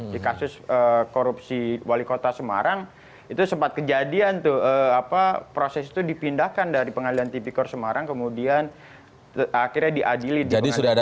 di kasus korupsi wali kota semarang itu sempat kejadian tuh proses itu dipindahkan dari pengadilan tipikor semarang kemudian akhirnya diadili di pengadilan